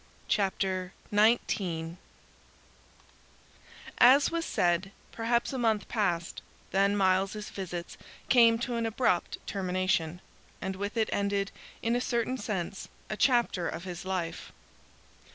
CHAPTER 19 As was said, perhaps a month passed; then Myles's visits came to an abrupt termination, and with it ended, in a certain sense, a chapter of his life.